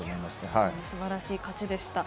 本当に素晴らしい勝ちでした。